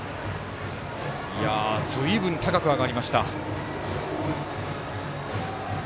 ずいぶん、高く上がりました。